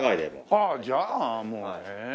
ああじゃあもうね。